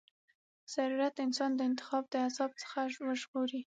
ضرورت انسان د انتخاب د عذاب څخه ژغوري.